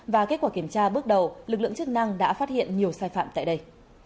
và kết quả kiểm tra bước đầu lực lượng chức năng đã phát hiện nhiều sai phạm tại đây